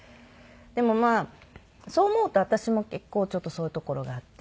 でもまあそう思うと私も結構ちょっとそういうところがあって。